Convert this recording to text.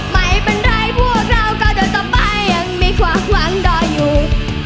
ไม่เป็นไรพวกเราก็จะต่อไปยังมีความหวังรออยู่